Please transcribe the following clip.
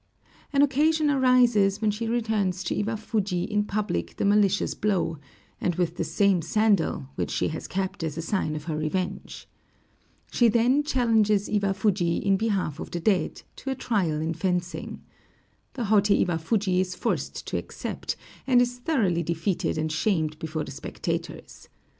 An occasion arises when she returns to Iwafuji in public the malicious blow, and with the same sandal, which she has kept as a sign of her revenge. She then challenges Iwafuji, in behalf of the dead, to a trial in fencing. The haughty Iwafuji is forced to accept, and is thoroughly defeated and shamed before the spectators.